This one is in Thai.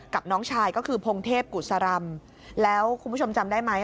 น้องชายก็คือพงเทพกุศรำแล้วคุณผู้ชมจำได้ไหม